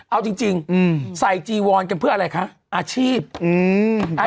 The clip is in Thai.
เอาจริงใส่จีวอนกันเพื่ออะไรคะอาชีพอืมบังหน้า